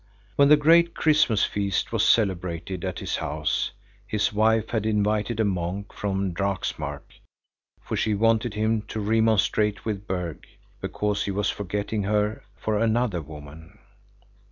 When the great Christmas feast was celebrated at his house, his wife had invited a monk from Draksmark, for she wanted him to remonstrate with Berg, because he was forgetting her for another woman.